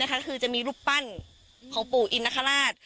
ตะปั้นของปู่อิณฑคราช